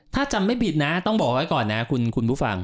ถ้าจำไม่ผิดนะต้องบอกไว้ก่อนนะคุณผู้ฟัง